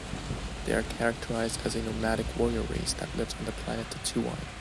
They are characterized as a nomadic warrior race that lives on the planet Tatooine.